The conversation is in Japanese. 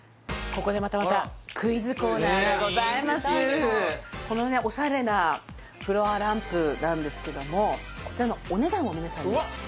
ここでまたまたこのオシャレなフロアランプなんですけどもこちらのお値段を皆さんにうわっ！